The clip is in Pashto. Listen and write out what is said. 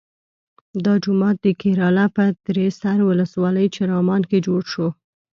دا جومات د کیراله په تریسر ولسوالۍ چرامان کې جوړ شو.